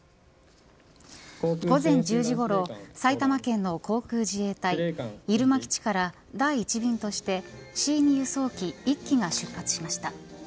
午前１０時ごろ埼玉県の航空自衛隊入間基地から第１便としてＣ‐２輸送機１機が出発しました。